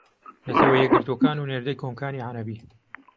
نەتەوە یەکگرتووەکان و نێردەی کۆمکاری عەرەبی